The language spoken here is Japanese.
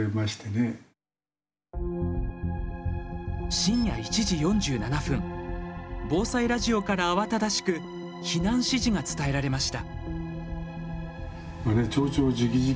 深夜１時４７分防災ラジオから慌ただしく避難指示が伝えられました。